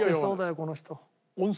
この人。